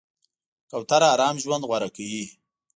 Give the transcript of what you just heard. کوتره آرام ژوند غوره کوي.